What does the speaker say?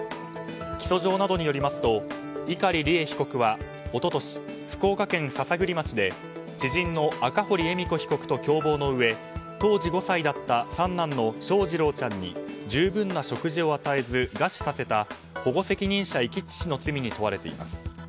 起訴状などによりますと碇利恵被告は一昨年、福岡県篠栗町で知人の赤堀恵美子被告と共謀のうえ、当時５歳だった三男の翔士郎ちゃんに十分な食事を与えず餓死させた保護責任者遺棄致死の罪に問われています。